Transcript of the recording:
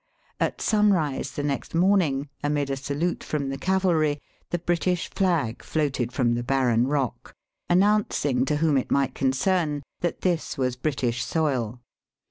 At sunrise the next morning, amid a salute from the cavalry, the British flag floated from the barren rock, announcing to whom it might concern that this was British soil.